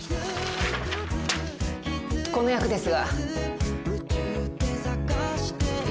この役ですが。